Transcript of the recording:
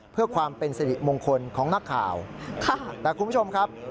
เพื่อความเป็นสิริมงคลของนักข่าวค่ะแต่คุณผู้ชมครับ